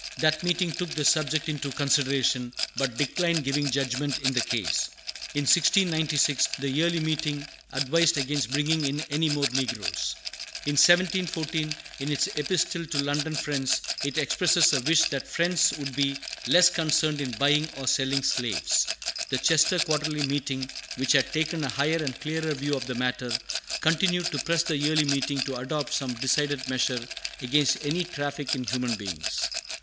That meeting took the subject into consideration, but declined giving judgment in the case. In 1696, the Yearly Meeting advised against "bringing in any more negroes." In 1714, in its Epistle to London Friends, it expresses a wish that Friends would be "less concerned in buying or selling slaves." The Chester Quarterly Meeting, which had taken a higher and clearer view of the matter, continued to press the Yearly Meeting to adopt some decided measure against any traffic in human beings.